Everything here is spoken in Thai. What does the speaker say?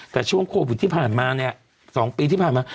แต่ช่วงโควิดที่ผ่านมาเนี่ย๒ปีที่ผ่านมา